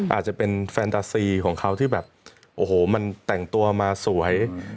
อาจจะเป็นแฟนตาซีของเขาที่แบบโอ้โหมันแต่งตัวมาสวย